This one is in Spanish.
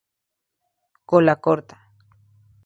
Cola corta.